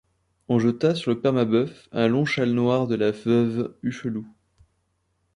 On jeta sur le père Mabeuf un long châle noir de la veuve Hucheloup.